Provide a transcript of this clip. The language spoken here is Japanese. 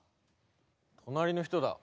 隣の人だ。